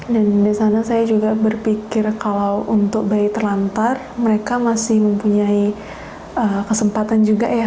dan di sana saya juga berpikir kalau untuk bayi terlantar mereka masih mempunyai kesempatan juga ya